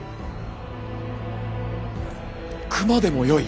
熊でもよい？